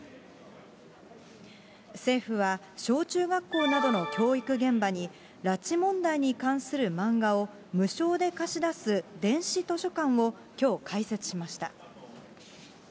政府は小中学校などの教育現場に、拉致問題に関する漫画を無償で貸し出す電子図書館を、きょう開設しました。